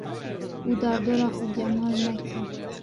Û derdora xwe gemar nekin.